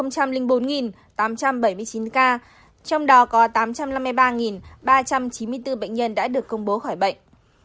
một trăm linh bốn tám trăm bảy mươi chín ca trong đó có tám trăm năm mươi ba ba trăm chín mươi bốn bệnh nhân đã được công bố khỏi bệnh